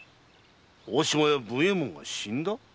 大島屋文右衛門が死んだ？